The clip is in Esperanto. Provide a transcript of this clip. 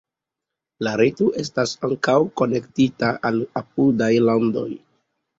La reto estas ankaŭ konektita al apudaj landoj.